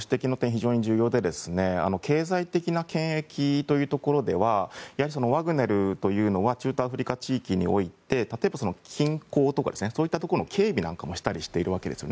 非常に重要で経済的な権益というところではワグネルは中東アフリカ地域において例えば、金鉱とかそういったところの警備なんかもしているわけです。